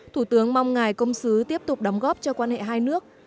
thủ tướng mong ngài công sứ tiếp tục đóng góp cho quan hệ hai nước